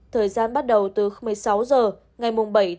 thời gian bắt đầu từ một mươi sáu h ngày bảy một mươi một